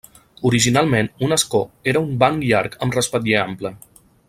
Originalment un escó era un banc llarg amb respatller ample.